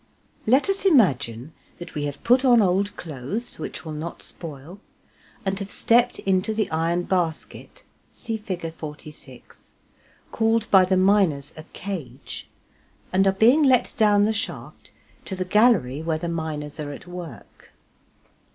Let us imagine that we have put on old clothes which will not spoil, and have stepped into the iron basket (see Fig. 46) called by the miners a cage, and are being let down the shaft to the gallery where the miners are at work.